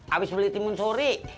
abis beli timun suri